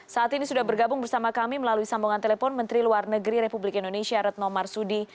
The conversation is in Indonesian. saat ini sudah bergabung bersama kami melalui sambungan telepon menteri luar negeri republik indonesia retno marsudi